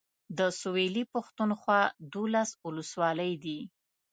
د سويلي پښتونخوا دولس اولسولۍ دي.